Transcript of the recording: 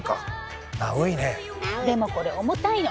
でもこれ重たいの。